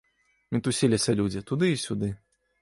Мітусіліся людзі, туды і сюды.